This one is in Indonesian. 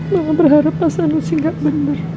mama berharap pasal lu sih gak bener